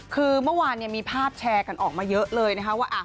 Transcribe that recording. คือเมื่อวานมีภาพแชร์กันออกมาเยอะเลยนะคะว่า